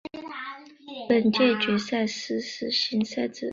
本届决赛实施新赛制。